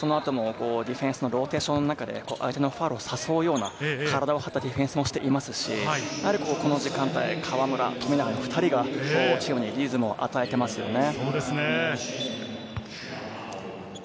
ディフェンスのローテーションの中で相手のファウルを誘うような、体を張ったディフェンスもしていますし、この時間帯、河村、富永、２人がチームにリズムを与えていますよね。